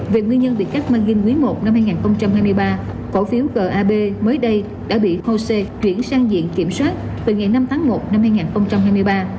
việc nguyên nhân bị cắt màn ghiên quý i năm hai nghìn hai mươi ba cổ phiếu gab mới đây đã bị hosea chuyển sang diện kiểm soát từ ngày năm tháng một năm hai nghìn hai mươi ba